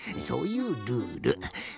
そういうルール。